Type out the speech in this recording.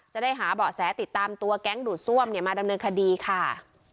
จะได้หาเบาะแสติดตามตัวแก๊งดูดซ่วมมาดำเนินคดีค่ะ